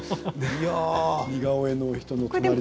似顔絵の人の隣で。